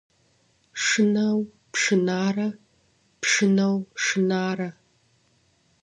Шынэу пшынарэ, пшынэу шынарэ.